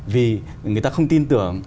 vì người ta không tin tưởng